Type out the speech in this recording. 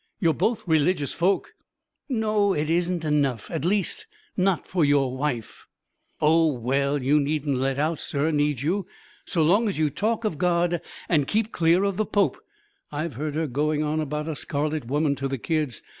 You're both religious folk." "No, it isn't enough at least, not for your wife." "Oh, well, you needn't let out, sir, need you? So long as you talk of God and keep clear of the Pope. I've heard her going on about a Scarlet Woman to the kids.